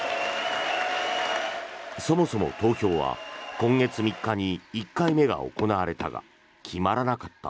そもそも投票は今月３日に１回目が行われたが決まらなかった。